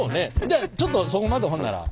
じゃあちょっとそこまでほんなら。